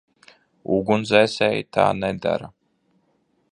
Ugunsdzēsēji tā nedara.